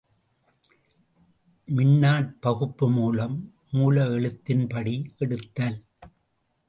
மின்னாற் பகுப்பு மூலம் மூல எழுத்தின் படி எடுத்தல்.